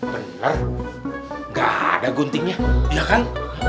bener gak ada guntingnya iya kan